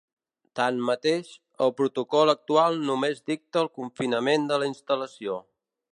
Tanmateix, el protocol actual només dicta el confinament de la instal·lació.